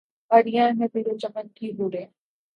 عریاں ہیں ترے چمن کی حوریں